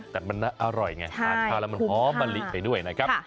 แต่มันอร่อยไงอาหารทานแล้วมันฮอมมะลิไปด้วยนะครับ